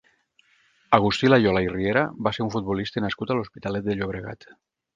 Agustí Layola i Riera va ser un futbolista nascut a l'Hospitalet de Llobregat.